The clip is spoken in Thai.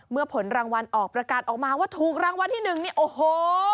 ผลรางวัลออกประกาศออกมาว่าถูกรางวัลที่๑นี่โอ้โห